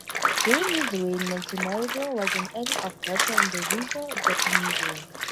During his reign Montenegro was an ally of Russia in the Russo-Japanese war.